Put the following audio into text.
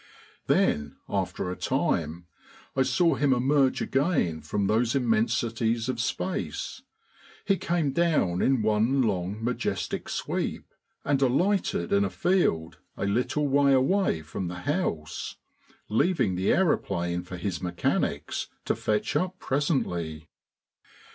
Then, after a time, I saw him emerge again from those immensities of space. He came down in one long majestic sweep, and alighted in a field a little way away from the house, leaving the aeroplane for his mechanics to fetch up presently.